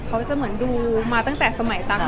เค้าจะดูมาตั้งแต่สมัยดั๊ก